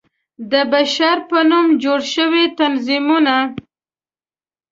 د بشر په نوم جوړ شوى تنظيمونه